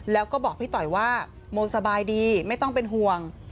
แล้วก็บอกพี่ต่อยว่าโมสบายดีไม่ต้องเป็นห่วง